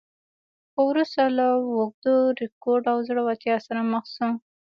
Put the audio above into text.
خو وروسته له اوږده رکود او ځوړتیا سره مخ شو.